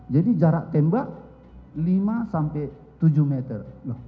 jadi jarak tembak lima sampai tujuh meter